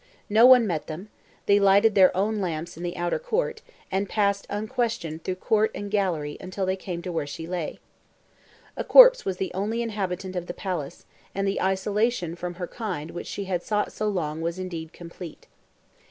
No one met them; they lighted their own lamps in the outer court, and passed unquestioned through court and gallery until they came to where she lay. A corpse was the only inhabitant of the palace, and the isolation from her kind which she had sought so long was indeed complete.